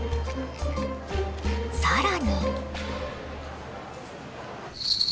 更に。